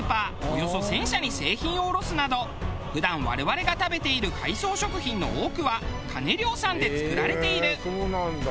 およそ１０００社に製品を卸すなど普段我々が食べている海藻食品の多くはカネリョウさんで作られている。